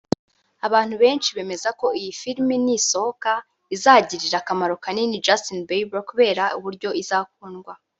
Abantu benshi bemeza ko iyi filime nisohoka izagirira akamaro kanini Justin Bieber kubera uburyo izakundwa